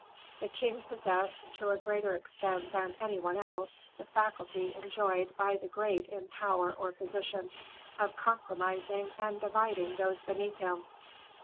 The king possessed, to a greater extent than any one else, the faculty enjoyed by the great in power or position, of compromising and dividing those beneath him.